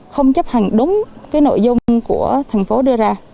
không chấp hành đúng cái nội dung của thành phố đưa ra